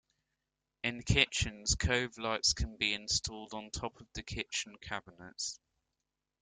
In kitchens, cove lights can be installed on the top of kitchen cabinets.